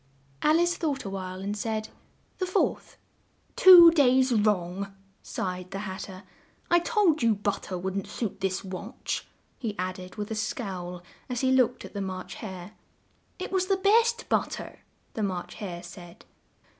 Al ice thought a while, and said, "The fourth." "Two days wrong!" sighed the Hat ter. "I told you but ter wouldn't suit this watch," he add ed with a scowl as he looked at the March Hare. "It was the best but ter," the March Hare said.